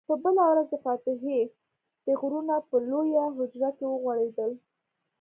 په بله ورځ د فاتحې ټغرونه په لویه حجره کې وغوړېدل.